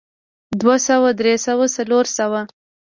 دوه سوه درې سوه څلور سوه